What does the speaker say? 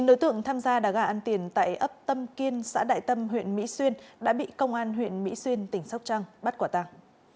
chín đối tượng tham gia đá gà ăn tiền tại ấp tâm kiên xã đại tâm huyện mỹ xuyên đã bị công an huyện mỹ xuyên tỉnh sóc trăng bắt quả tàng